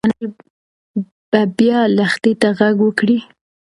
ايا انارګل به بیا لښتې ته غږ وکړي؟